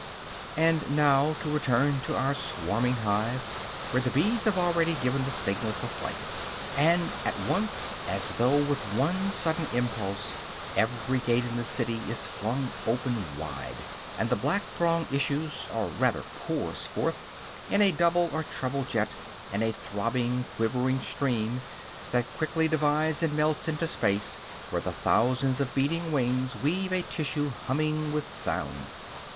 And now to return to our swarming hive, where the bees have already given the signal for flight. And at once, as though with one sudden impulse, every gate in the city is flung open wide; and the black throng issues, or rather pours forth, in a double or treble jet, in a throbbing, quivering stream, that quickly divides and melts into space, where the thousands of beating wings weave a tissue humming with sound.